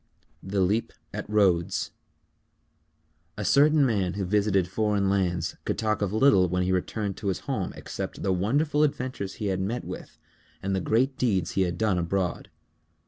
_ THE LEAP AT RHODES A certain man who visited foreign lands could talk of little when he returned to his home except the wonderful adventures he had met with and the great deeds he had done abroad.